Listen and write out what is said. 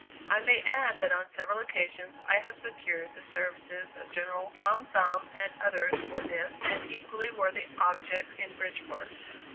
I may add that on several occasions I have secured the services of General Tom Thumb and others for this and equally worthy objects in Bridgeport.